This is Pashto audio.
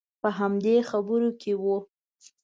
په همدې خبرو کې وو.